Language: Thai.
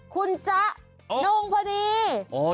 คุณจ๊ะนุ้งพอดีโอ้โฮ